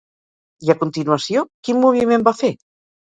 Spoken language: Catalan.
I a continuació quin moviment va fer?